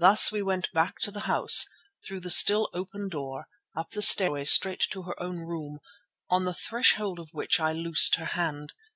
Thus we went back to the house, through the still open door, up the stairway straight to her own room, on the threshold of which I loosed her hand.